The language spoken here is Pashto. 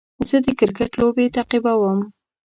زه د کرکټ لوبې تعقیبوم.